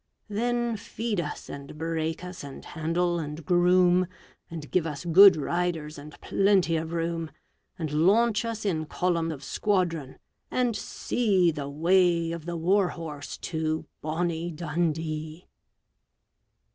Then feed us and break us and handle and groom, And give us good riders and plenty of room, And launch us in column of squadron and see The way of the war horse to "Bonnie Dundee"!